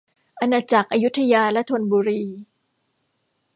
อาณาจักรอยุธยาและธนบุรี